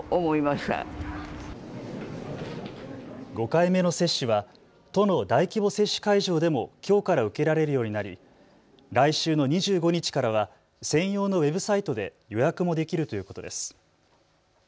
５回目の接種は都の大規模接種会場でもきょうから受けられるようになり来週の２５日からは専用のウェブサイトで予約もできるということです。